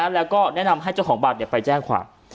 แล้วก็แนะนำให้เจ้าของบัตรไปแจ้งความ